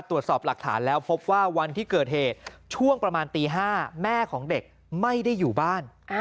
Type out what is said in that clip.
ตรวจสอบหลักฐานแล้วพบว่าวันที่เกิดเหตุช่วงประมาณตี๕แม่ของเด็กไม่ได้อยู่บ้าน